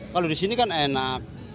kalau di sini kan enak